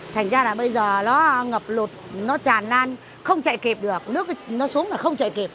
thành ra là bây giờ nó ngập lụt nó tràn lan không chạy kịp được nước nó xuống là không chạy kịp